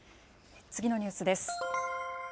次のニュースです。